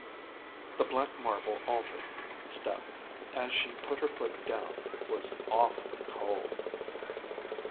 The black marble altar step as she put her foot down was awfully cold.